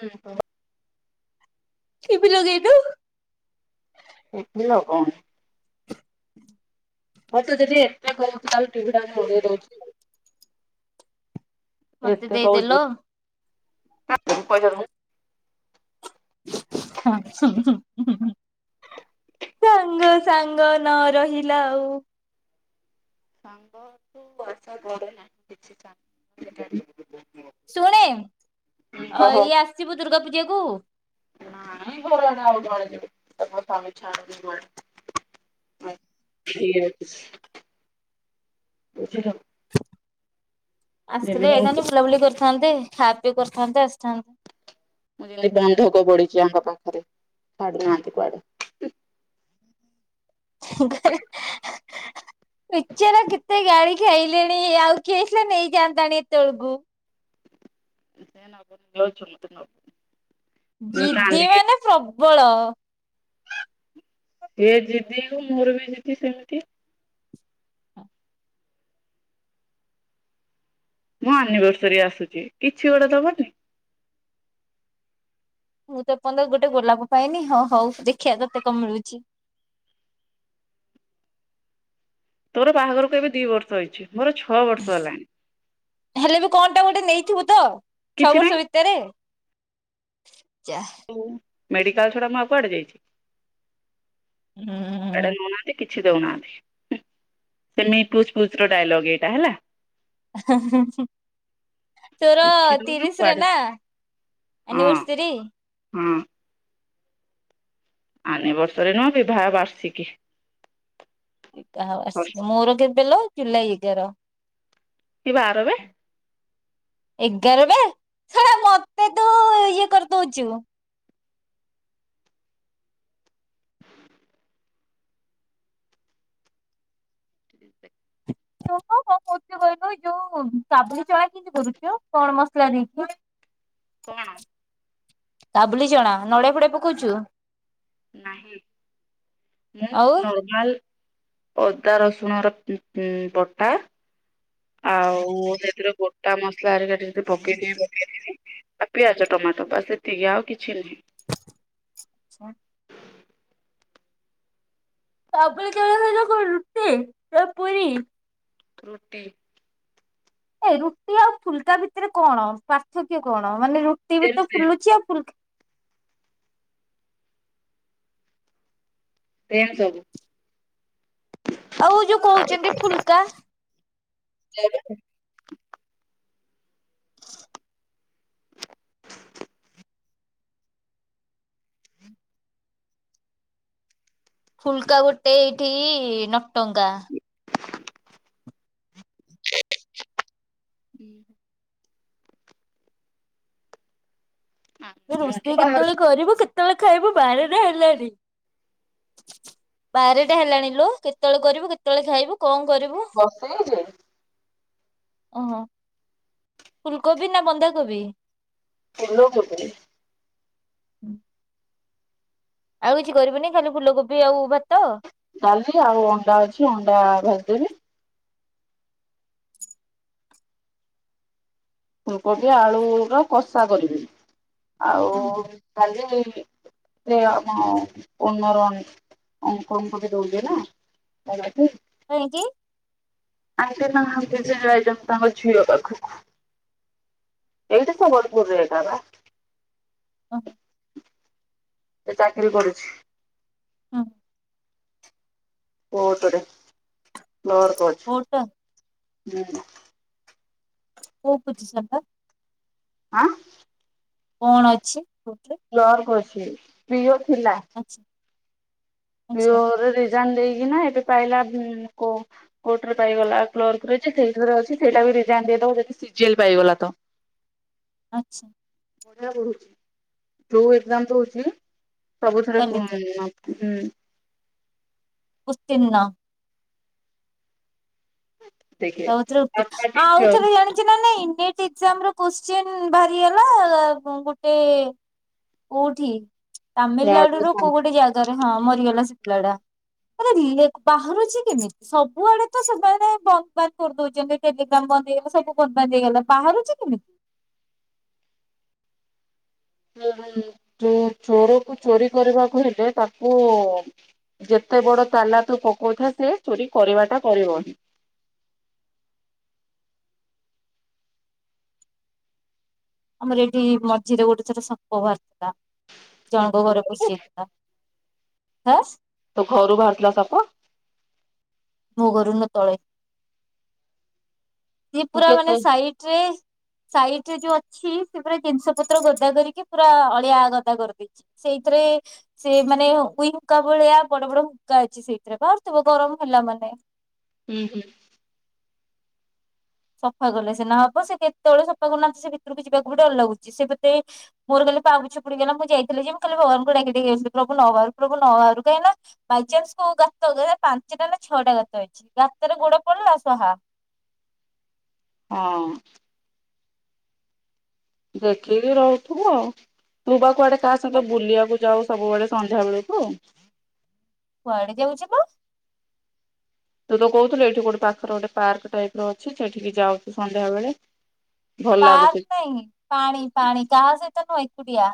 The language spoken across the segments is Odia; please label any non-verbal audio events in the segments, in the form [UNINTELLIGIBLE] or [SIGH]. ହୁଁ ହୁଁ। ଟିଭି ଲଗେଇନୁ? ହେଲା କଣ? ମତେ ଯଦି ଏତେ କହୁଛ ଚାଲ ଟିଭିଟା ଯାଇକି ଲଗେଇ ଦଉଛି ଆଉ। ମତେ ଦେଇଦେଲୋ। ହଁ ସାଙ୍ଗ ସାଙ୍ଗ ନ ରହିଲା ଆଉ ସାଙ୍ଗ ତୁ ଆ ଗରେ ନାହିଁ କିଛି ଶୁଣେ ଓହୋ। ଇଏ ଆସିିବୁ ଦୁର୍ଗା ପୂଜାକୁ? ନାଇଁ ଘର ଆଡେ ଆଉ କୁଆଡେ ଛାଡୁନି କୁଆଡେ। ବୁଝିଲୁ। ଆସିଥିଲେ ଯେମିତି ମୁଁ ହେଇଥାନ୍ତି ବୁଲାବୁଲି କରିଥାନ୍ତେ। ଖା ପି କରିଥାନ୍ତେ ଆସିଥାନ୍ତୁ। ମୁଁ ଯେମିତି ବନ୍ଧକ ପଢିଛି ଆଙ୍କ ପାଖରେ ଛାଡିୁ ନାହାନ୍ତି କୁଆଡେ। ବିଚରା କେତେ ଗାଳି ଖାଇଲେଣି ଆଉ କିଏ ହେଇଥିଲେ ନେଇଯାଆନ୍ତାଣି ଏତେବେଳକୁ। ସେ ସମସ୍ତେ ନବ। ଜିଦି ମାନେ ପ୍ରବଳ। ସିଏ ଯିଦି କୁ ମୋର ବି ଯିଦି ସେମିତି। ମୋ ଆନିବର୍ସରୀ ଆସୁଛି କିଛି ଗୋଟେ ଦବନି। ମୁଁ ତ ଏପର୍ଯ୍ୟନ୍ତ ଗୋଟେ ଗୋଲାପ ପାଇନି ହଁ ହଉ ଦେଖିବା ତତେ କଣ ମିଳୁଛି। ତୋର ବାହାଘରକୁ ଏବେ ଦି ବର୍ଷ ହେଇଛି। ମୋର ଛଅ ବର୍ଷ ହେଲାଣି ହେଲେ ବି କଣ ଟା ଗୋଟେ ନେଇଥିବୁ ତ ଛଅ କିଛି ନାହିଁ। ବର୍ଷ ଭିତରେ? [UNINTELLIGIBLE] ହଉ। ମେଡିକାଲ ଛଡା ମୁଁ ଆଉ କୁଆଡେ ଯାଇଛି। କୁଆଡେ ହୁଁ ନଉନାହାନ୍ତି କିଛି ଦେଉନାହାନ୍ତି ସେମି ପୁଛ ପୁଛର ଡାଇଲଗ ଏଇଟା ହେଲା [INAUDIBLE] ତୋର କିଛି ଦଉନ ତିରିଶି ରେ କୁଆଡେ ନା ହଁ ଅନିବାର୍ସରୀ ଅନିବାର୍ସରୀ ନା ବିବାହ ବାର୍ଷିକେ ହଉ ଆସିବୁ ମୋର କେତେବେଲ ଜୁଲାଇ ଏଗାର କି ବାର ବେ ଏଗାର ଵା ଶଳା ମତେ ତୁ ଇଏ କରିଦଉଛୁ ହୁହ କଣ କହୁଛ କହିଲୁ ଯୋଉ ସାବୁନ ଚଣା କେମତି କରୁଛ କଣ ମସଲା ଦେଇଛି [UNINTELLIGIBLE] [INAUDIBLE] କଣ କାବୁଳି ଚଣା ନଡିଆ ଫଡିଆ ପକାଉଛୁ ନାହିଁ ମୁଁ ଆଉ ନର୍ମାଲ ଅଦା ରସୁଣର ଉଁ ଉଁ ବଟା ଆଉ ସେଥିରେ ଗୋଟା ମସଲା ହେଟା ଟିକେ ପକେଇ ଦେବି ଆଉ ପିଆଜ ଟମାଟୋ ବାସ ଏତିକି ଆଉ କିଛି ନାହି ହ ତା [INAUDIBLE] ରୁଟି ନା ପୁରି ରୁଟି ଏ ରୁଟି ଆଉ ଫୁଲକା ଭିତରେ କଣ ପାର୍ଥକ୍ୟ କଣ ମାନେ ରୁଟି ବି ସେମ୍ ତ ସେମ୍ ଫୁଲୁଛି ଆଉ ଫୁଲ ସେମ ସବୁ ଆଉ ଯୋଉ କହୁଛନ୍ତି ଫୁଲକା ସେ [INAUDIBLE] ଫୁଲକା ଗୋଟେ ଏଠିକି ନଅ ଟଙ୍କା ହୁ ରୋଷେଇ କେତେବେଳେ ବସେଇ କରିବୁ କେତେବେଳେ ଖାଇବୁ ବାରଟା ହେଲାଣି ବାରଟା ହେଲାଣି ଲୋ କେତେବେଳେ କରିବୁ କେତେବେଳେ ଖାଇବୁ କଣ କରିବୁ? ବସେଇଛି ଓହୋ ଫୁଲକୋବି ନା ବନ୍ଧାକୋବି ଫୁଲକୋବି ହୁଁ ଆଉ କିଛି କରିବୁନି ଖାଲି ଫୁଲକୋବି ଆଉ ଭା ଡାଲି ଆଉ ଅଣ୍ଡା ଅଛି ଅଣ୍ଡା ଭ ଦେବି ଫୁଲକୋବି ଆଳୁର କଷା କରିବି ଆଉ ହୁଁ ହୁଁ କାଳି ମି ଏ ଆମ ୱନର ଅଙ୍କଲ ବି ଦେଉଛି ନା କାହିଁକି [INAUDIBLE] ଆ ସେ ନାହାନ୍ ସେ ଯାଏ ତାଙ୍କ ଝିଅ ପାଖକୁ ଏଇଟା ସେ ବଡ଼ପୁଅର [INAUDIBLE] ଓହ ସେ ଚାକିରୀ କରୁଛି ହୁଁ କୋଟ ରେ ଲୋଅର କୋଟ କୋଉଟା ହୁଁ କୋଉ ପୋଶିସନ ଟା ଆଁ କଣ ଅଛି କୋଉଥିରେ କ୍ଲର୍କ ଅଛି ପ୍ରିଅର୍ ଥିଲା ଆଚ୍ଛା ଆଚ୍ଛା ପ୍ରିଓର ରେ ରିଜାଇନ୍ ଦେଇ କିନା ଏବେ ପାଇଲା କୋ କୋର୍ଟରେ ପାଇଗଲା କ୍ଲର୍କ ରେ ଯେ ସେଇଥୀରେ ଅଛି ଫେର୍ ତାକୁ ରିଜାଇନ ଦେଇଦବ ଯଦି ଶିଯିଏଲ୍ ପାଇଗଲା ତ ଆଚ୍ଛା ବଢିଆ ପଢୁଛି ଯୋଉ ଏକ୍ସାମ ଦଉଛି ସବୁଥରେ କାଲିଠୁ [UNINTELLIGIBLE] ଉତ୍ତୀର୍ଣ୍ଣ ଦେଖେ ସବୁ ଥୀରେ ଉତ୍ତୀର୍ଣ୍ଣ। ଆଉ ଥରେ ଜାଣିଛ ନା ନାହିଁ ନୀଟ ଏକ୍ସାମ୍ ର କ୍ୱେଶଚିନ ବାହାରି ହେଲା ଗୋଟେ କୋଉଠି ତାମିଲନାଡୁ ରୁ କୋଉ ଗୋଟେ ଜଗାରେ ହଁ ମରିଗଲାବାଉ ଲଏଡା ଆରେ ଏ ବାହାରୁଛି କେମିତି ସବୁଆଡେ ତ ସେମାନେ ବନ୍ଦ ବାନ୍ଦ କରିଦଉଛନ୍ତି ଟେଲିଗ୍ରାମ ବନ୍ଦ ହେଇଗଲା ସବୁ ବନ୍ଦ ବାନ୍ଦ ହେଇଗଲା ବାହାରୁଛି କେମିତି ଯୋଉ ଚୋରକୁୁ ଚୋରି କରିବାକୁ ହେଲେ ତାକୁ ଯେତେ ବଡ ତାଲା ତୁ ପକଉଥା ସେ ଚୋରି କରିବା ଟା କରିବ ହିଁ ଆମର ଏଠି ମଝିରେ ଗୋଟେ ଥର ସାପ ବାହାରିଥିଲା ଜଣଙ୍କ ଘରେ ପଶିଯାଇଥିଲା ହଁ ତ ଘରୁ ବାହାରୁଥିଲା ସାପ ମୋ ଘରୁ ନୁହେଁ ତଳେ ସେ ତୁ ପୁରା ମାନେ କେତେ ସାଇଟ ରେ ସାଇଡ ରେ ଯୋଉ ଅଛି ସେ ପୁରା ଜିନିଷ ପତ୍ର ଗଦା କରିକି ପୁରା ଅଳିଆ ଗଦା କରିଦେଇଛି ସେଇଥିରେ ସେମାନେ ଉଇ ହୁଙ୍କା ଭଳିଆ ବଡ ବଡ ହୁଙ୍କା ଅଛି ସେଇଥିରେ ବାହାରୁଥିବ ଗରମ ହେଲା ମାନେ ହ ହୁଁ ହୁଁ ସଫାକଲେ ସିନା ହବ ସେ କେତେବେଳେ ସଫା କରୁନାହାନ୍ତି ସେ ଭିତରକୁ ଯିବାକୁ ବି ଡର ଲାଗୁଛି ସେପଟେ ମୋର ଖାଲି ପାପୋଚ୍ଛ ପଡିଗଲା ମୁଁ ଯାଇଥିଲି ଯେ ମୁଁ ଖାଲି ଭଗବାନଙ୍କୁ ଡାକି ଡାକି ଆସିଲି ପ୍ରଭୁ ନ ବାହାରୁ ପ୍ରଭୁ ନ ବାହାରୁ କାହିଁକି ନା ବାଇଚାନ୍ସ କୋଉ ଗାତ ପାଞ୍ଚଟା ନା ଛଅଟା ଗାତ ଅଛି ଗାତରେ ଗୋଡ ପଡିଲା ସ୍ଵାହା ହଁ ଦେଖିକି ରହୁଥିବୁ ଆଉ ତୁ ବା କୁଆଡେ ତା ସହିତ ଉଃ ବୁଲିବାକୁ ଯାଉ ସବୁବେଳେ ସନ୍ଧ୍ୟା ବେଳକୁ କୁଆଡେ ଯାଉଛି ବା ତୁ ତ କହୁଥିଲୁ ଏଇଠି କୋଉଠି ପାଖରେ ଗୋଟେ ପାର୍କ ଟାଇପ ର ଅଛି ସେଠିକି ଯାଉଛୁ ସନ୍ଧ୍ୟାବେେଳେ ପାକ ନାହିଁ ପାଣି ପାଣି କାହା ସହିତ ନୁହଁ। ଏକୁଟିଆ।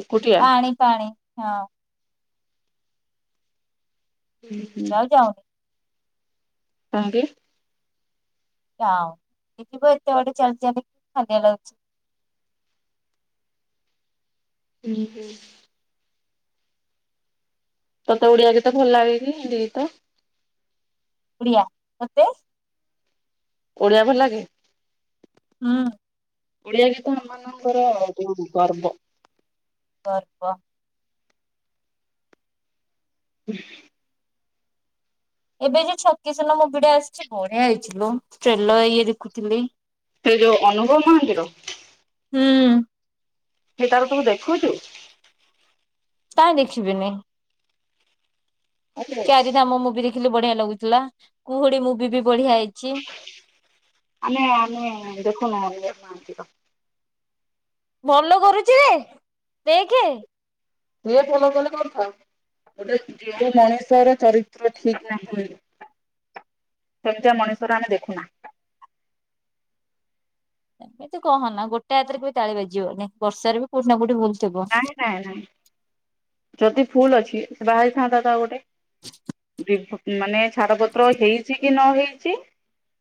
ଏକୁଟିଆ। ପାଣି ପାଣି ହଁ। ହୁଁ ହୁଁ। ଆଉ ଯାଉନି [UNINTELLIGIBLE] [UNINTELLIGIBLE] ହୁଁ ହୁ। ତତେ ଓଡିଆ ଗୀତ ଭଲ ଲାଗେ କି ହିନ୍ଦୀ ଗୀତ। ଓଡ଼ିଆ ତତେ। ଓଡିଆ ଭଲ ଲାଗେ। ହୁଁ। ଓଡିଆ ଗୀତ ଆମମାନଙ୍କର ଗର୍ବ। ଗର୍ବ। [UNINTELLIGIBLE] ଏବେ ଯୋଉ ଛକି ଶୁନ ମୁଭି ଟା ଆସିଛି ବଢିଆ ହେଇଛିଲୋ ଟ୍ରେଲର ଇଏ ଦେଖୁଥିଲି। ସେ ଯୋଉ ଅନୁଭବ ମହାନ୍ତିର ହୁଁ। [INAUDIBLE] ତୁ ଦେଖୁଛୁ। କାଇଁ ଦେଖିବିନି। ଆରେ ଚାରିଧାମ ମୁଭି ଦେ। ଦେଖିଲି ବଢିଆ ଲାଗୁଥିଲା କୁହୁଡି ମୁଭି ବି। ବଢିଆ ହେଇଛି ଆମେ ଆମେ [INAUDIBLE] [UNINTELLIGIBLE] ଭଲ କରୁଛି ରେ ଦେଖେ। ସିଏ ଭଲ କଲେ କରିଥାଉ ଗୋଟେ ଯେଉ ମଣିଷର ଚରିତ୍ର ଠିକ ନାହିଁ ସେମିତିଆ ମଣିଷର ଆମେ ଦେଖୁନା। ଏମିତି କହନା ନା ଗୋଟେ ହାତରେ କେବେ ତାଳି ବାଜିବନି ବର୍ଷାର ବି କୋଉଠି ନା କୋଉଠି ଭୁଲ। ଥିବ। ନାଇଁ ନାଇଁ ନାଇଁ ଯଦି। ଭୁଲ ଅଛି ସେ ବାହାହେଇଥାନ୍ତା ତ ଆଉ ଗୋଟେ। ମାନେ ଛାଡପତ୍ର ହେଇଛି କି ନ ହେଇଛି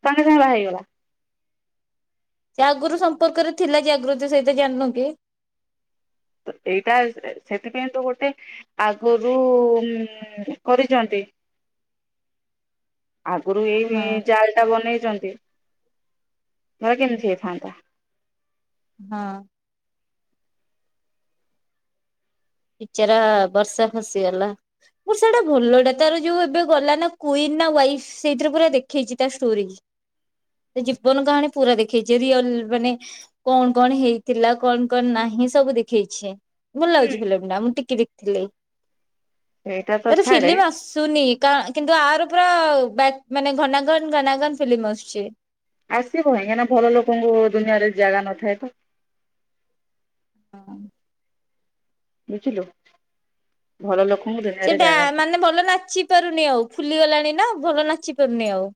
ସାଙ୍ଗେ ସାଙ୍ଗେ ହେଇଗଲା। ସେ ଆଗରୁ ସମ୍ପର୍କରେ ଥିଲା ଜାଗୃତି ସହିତ ଜାଣିଲୁ କି। ଏଇଟା ସେଥିପାଇଁ ତ ଗୋଟେ ଆଗରୁ କରିଛନ୍ତି। ଆଗରୁ ଏଇ ହଁ ଚାଲ ଟା ବନେଇଛନ୍ତି। [INAUDIBLE] କେମିତି ହେଇଥାନ୍ତା। ହଁ। ବିଚରା ବର୍ଷା ଫସିଗଲା ବର୍ଷାଟା ଭଲଟା ତାର ଯୋଉ ଏବେ ଗଲା ନା କୁଇନ ନା ୱାଇଫ ସେଇଥିରେ ପୁରା ଦେଖେଇଛି ତା ଷ୍ଟୋରି ଜୀବନ କାହାଣୀ ପୁରା ଦେଖେଇଛି ରିଅଲ ମାନେ କଣ କଣ ହେଇଥିଲା କଣ କଣ ନାହିଁ ସବୁ ଦେଖେଇଛି। ଭଲ ହୁଁ। ଲାଗୁଛି। [INAUDIBLE] ମୁଁ ଟିକେ ଦେଖିଥିଲି। ସେଇଟା ତ ତାର ଛାଡେ ଫିଲିମ୍ ଆସୁନି କା କିନ୍ତୁ ଆର। ପୁରା ମାନେ ଘନାଘନ ଘନାଘନ ଫିଲ୍ମ ଆସୁଛି। ଆସିବ [INAUDIBLE] ଭଲ ଲୋକଙ୍କୁ ଦୁନିଆରେ ଜାଗା ନଥାଏ ତ। ହଁ। ବୁଝିଲୁ ଭଲ ଲୋକ। ସେଟା ମାନେ ଭଲ ନାଚି ପାରୁନି ଆଉ ଫୁଲି ଗଲାଣି ନା ଭଲ ନାଚ ଚିପାରୁନି ଆଉ।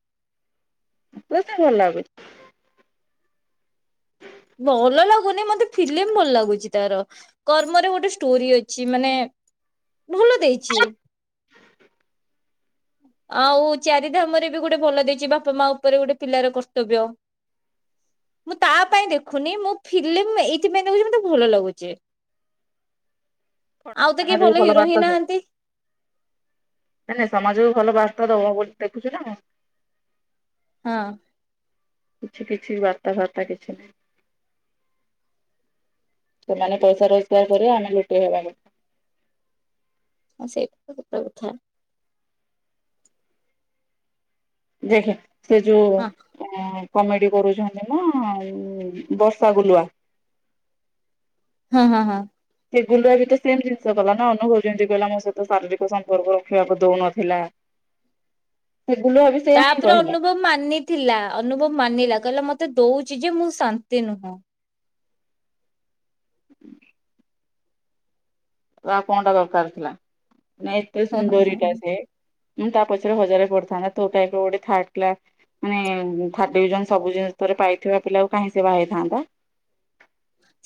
ମତେ ଭଲ ଲାଗୁଛି। ଭଲ ଲାଗୁନି ମତେ ଫିଲ୍ମ ଭଲ ଲାଗୁଛି ତାର କର୍ମରେ ଗୋଟେ ଷ୍ଟୋରି ଅଛି ମାନେ ଭଲ ଦେଇଛି। ଆଉ ଚାରିଧାମରେ ବି ଗୋଟେ ଭଲ ଦେଇଛି ବାପା ମା ଉପରେ ଗୋଟେ ପିଲାର କର୍ତ୍ତବ୍ୟ ମୁଁ ତା ପାଇଁ ଦେଖୁନି ମୁଁ ଫିଲ୍ମ ଏଇଥିପାଇଁ ଦେଖୁଛି ମତେ ଭଲ ଲାଗୁଛି। ଆଉ ତ କେହି [INAUDIBLE] ଭଲ ହିରୋ ହିଁ ବାଟ ଦିଏ ନାହାନ୍ତି ନା ନା ସମାଜ କୁ ଭଲ ବାର୍ତା ଦେବ ବୋଲି ଦେଖୁଛୁ ନା। ହୁଁ। କିଛି କିଛି ବାର୍ତା ଫାର୍ତ୍ତା କିଛି ନାହିଁ। ସେମାନେ ପଇସା ରୋଜଗାର କରିବେ ଆମେ ଲୁଟେଇ ହେବା କ ହ ସେଇଟା ତ ସତ କଥା। ଦେଖେ ସେ ଯୋଉ ହଁ ଅଁ କମେଡି କରୁଛନ୍ତି ନା ବର୍ଷା ଗୁଲୁଆ। ହଁ ହଁ ହଁ। ସେ ଗୁଲୁଆ ବିତ ସେମ୍ ଜିନିଷ କଲା ନା ଅନୁଭବ ଯେମିତି କହିଲା ମୋ ସହିତ ଶାରୀରିକ ସମ୍ପର୍କ ରଖିବାକୁ ଦଉନଥିଲା। ସେ ଗୁଲୁଆ ବି ସେଇଆ ହିଁ ତାପରେ କହିଲା ଅନୁଭବ ମାନିଥିଲା ଅନୁଭବ ମାନିଲା କହିଲା ମତ ମତେ ଦଉଛି ଯେ ମୁଁ ଶାନ୍ତି ନୁହଁ। ହ ତ ଆଉ କଣ ଟା ଦରକାର ଥିଲା? ନାଇ ଏତେ ହଁ ସୁନ୍ଦରୀଟା ହଁ ସେ ମାନେ ତା ପଛରେ ହଜାରେ ପଡିଥାନ୍ତା ତୋ ଟାଇପ ର ଗୋଟେ ଥାର୍ଡ କ୍ଲାସ, ମାନେ ଥାର୍ଡ ଡିଭିଜନ ସବୁ ଜିନିଷ ରେ ପାଇଥିବା ପିଲା କୁ କାହିଁ ସେ ବାହା ହେଇଥାନ୍ତା।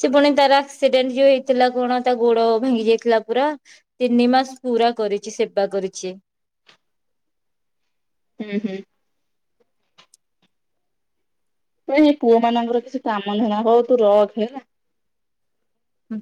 ସେ ପୁଣି ତାର ଆକ୍ସିଡେଣ୍ଟ ଯୋଉ ହେଇଥିଲା କଣ ତା ଗୋଡ ଭାଙ୍ଗି ଯାଇଥିଲା ପୁରା ତିନି ମାସ ପୁରା କରିଛି ସେବା କରିଛି। ହୁଁ ହୁଁ। ଏ ପୁଅ ମାନଙ୍କର କିଛି କାମ ଧନ୍ଦା ହଉ ତୁ ରଖ ହେଲା। ହୁଁ।